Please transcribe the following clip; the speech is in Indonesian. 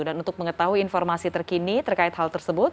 dan untuk mengetahui informasi terkini terkait hal tersebut